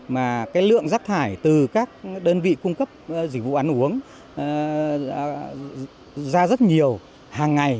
mà cái lượng rác thải từ các đơn vị cung cấp dịch vụ ăn uống ra rất nhiều hàng ngày